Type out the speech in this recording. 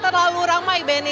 tapi belum terlalu ramai benny